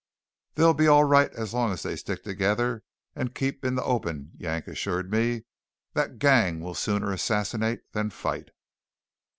"They'll be all right as long as they stick together and keep in the open," Yank assured me. "That gang will sooner assassinate than fight."